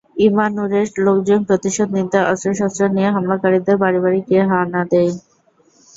ইমানুরের লোকজন প্রতিশোধ নিতে অস্ত্রশস্ত্র নিয়ে হামলাকারীদের বাড়ি বাড়ি গিয়ে হানা দেয়।